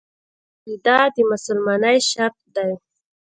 عقیده د مسلمانۍ شرط دی.